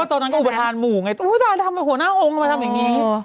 ตอนนั้นก็อุปทานหมู่ไงผู้ชายทำไมหัวหน้าองค์ทำไมทำอย่างนี้